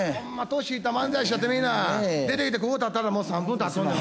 年いった漫才師やってみぃな出てきてここに立ったらもう３分たっとんねん。